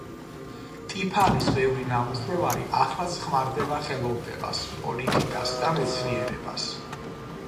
ტიფანის ბევრი ნამუშევარი ახლაც ხმარდება ხელოვნებას, პოლიტიკას და მეცნიერებას.